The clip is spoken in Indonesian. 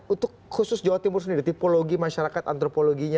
untuk khusus jawa timur sendiri tipologi masyarakat antropologinya